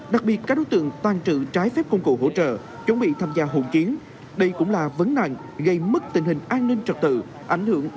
đặc biệt các đối tượng tàn trự trái phép công cụ hỗ trợ chuẩn bị tham gia hỗn chiến đây cũng là vấn nạn gây mất tình hình an ninh trật tự